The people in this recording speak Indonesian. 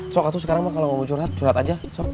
sok atu sekarang kalau mau curhat curhat aja sok